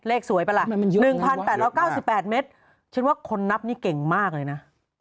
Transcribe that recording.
สวยป่ะล่ะ๑๘๙๘เมตรฉันว่าคนนับนี่เก่งมากเลยนะ